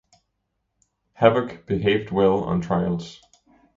"Havock" "behaved well" on trials.